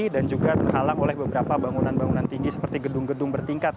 dan juga terhalang oleh beberapa bangunan bangunan tinggi seperti gedung gedung bertingkat